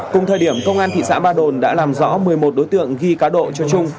cùng thời điểm công an thị xã ba đồn đã làm rõ một mươi một đối tượng ghi cá độ cho trung